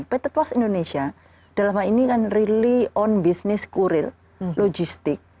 pt pos indonesia dalam hal ini kan really on business kurir logistik